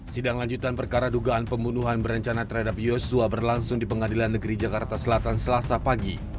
sidang lanjutan perkara dugaan pembunuhan berencana terhadap yosua berlangsung di pengadilan negeri jakarta selatan selasa pagi